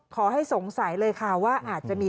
ขอให้สงสัยเลยค่ะว่า